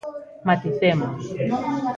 Maticemos.